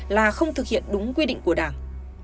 là không thực hiện đúng quy định của đảng